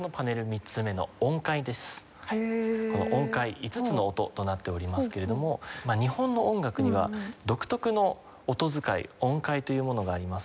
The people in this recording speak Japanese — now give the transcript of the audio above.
この音階５つの音となっておりますけれども日本の音楽には独特の音づかい音階というものがあります。